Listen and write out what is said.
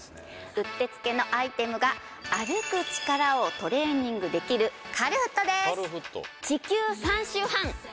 うってつけのアイテムが歩く力をトレーニングできるカルフットです